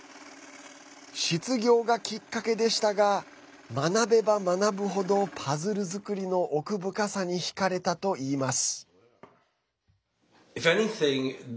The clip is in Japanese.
失業がきっかけでしたが学べば学ぶ程パズル作りの奥深さにひかれたといいます。